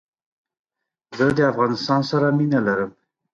زه دافغانستان سره مينه لرم